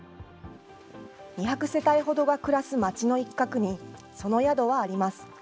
２００世帯ほどが暮らす町の一角に、その宿はあります。